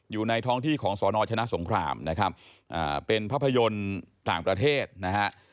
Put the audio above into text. อยู่ในท้องที่ของสนชนะสงครามนะครับเป็นภาพยนตร์ต่างประเทศนะฮะ